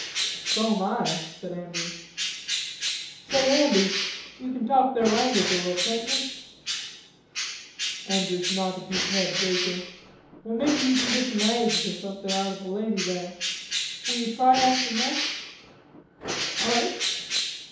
"So am I," said Andrews. "Say, Andy, you kin talk their language a li'l', can't ye?" Andrews nodded his head vaguely. "Well, maybe we kin git some aigs or somethin' out of the lady down there. Will ye try after mess?" "All right."